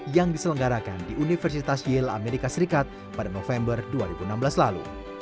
yang diselenggarakan di universitas yield amerika serikat pada november dua ribu enam belas lalu